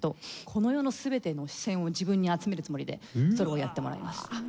この世の全ての視線を自分に集めるつもりでソロをやってもらいます。